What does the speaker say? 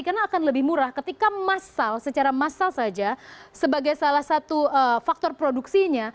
karena akan lebih murah ketika massal secara massal saja sebagai salah satu faktor produksinya